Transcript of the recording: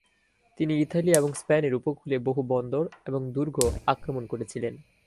তিনি ইতালি এবং স্পেনের উপকূলে বহু বন্দর এবং দূর্গ আক্রমণ করেছিলেন।